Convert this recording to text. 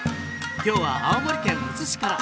今日は青森県むつ市から。